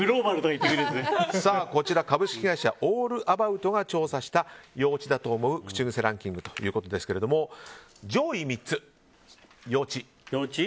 株式会社オールアバウトが調査した幼稚だと思う口癖ランキングということですけれども上位３つ、幼稚。